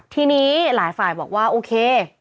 ทีนี้หลายฝ่ายบอกว่าโอเค